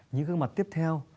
những gương mặt tiếp theo